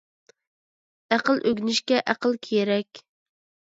ئەقىل ئۆگىنىشكە ئەقىل كېرەك.